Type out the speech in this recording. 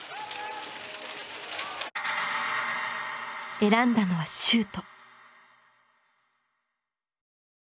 選んだのはシュート。